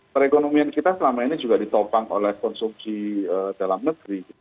perekonomian kita selama ini juga ditopang oleh konsumsi dalam negeri